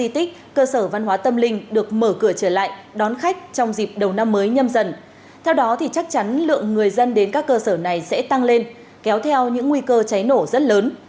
theo đó thì chắc chắn lượng người dân đến các cơ sở này sẽ tăng lên kéo theo những nguy cơ cháy nổ rất lớn